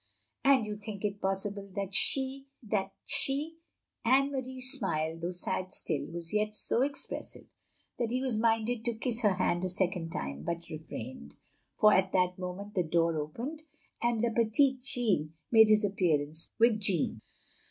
"And you think it possible that she — ^that she " Anne Marie's smile, though sad still, was yet so expressive that he was minded to kiss her hand a second time, but refrained; for at that moment the door opened, and le petit Jean made his appearance with Jeanne.